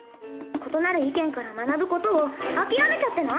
異なる意見から学ぶ事を諦めちゃってない？